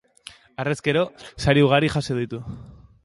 Harrezkero sari ugari jaso ditu.